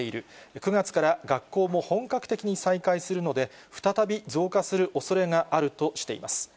９月から学校も本格的に再開するので、再び増加するおそれがあるとしています。